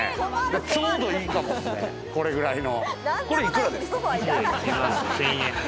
ちょうどいいかもっすね、このくらいの。